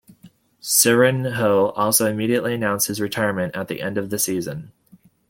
Serginho also immediately announced his retirement at the end of the season.